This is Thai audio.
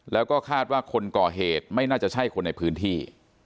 แล้วก็คาดว่าคนก่อเหตุไม่น่าจะใช่คนในพื้นที่